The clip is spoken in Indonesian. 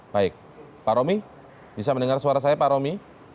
baik pak romi bisa mendengar suara saya pak romi